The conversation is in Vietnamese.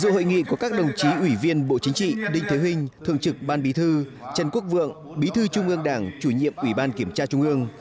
hội nghị có các đồng chí ủy viên bộ chính trị đinh thế huynh thường trực ban bí thư trần quốc vượng bí thư trung ương đảng chủ nhiệm ủy ban kiểm tra trung ương